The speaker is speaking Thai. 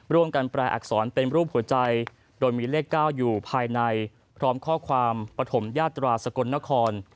แปลอักษรเป็นรูปหัวใจโดยมีเลข๙อยู่ภายในพร้อมข้อความปฐมยาตราสกลนคร